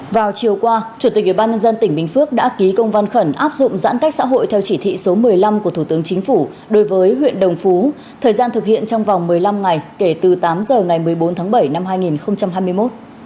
vào chiều qua chủ tịch ủy ban nhân dân tỉnh bình phước đã ký công văn khẩn áp dụng giãn cách xã hội theo chỉ thị số một mươi năm của thủ tướng chính phủ đối với huyện đồng phú thời gian thực hiện trong vòng một mươi năm ngày kể từ tám giờ ngày một mươi bốn tháng bảy năm hai nghìn hai mươi một